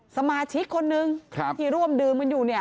สมาชิกคนหนึ่งที่ร่วมดื่มมันอยู่